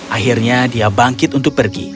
akhirnya dia bangkit untuk pergi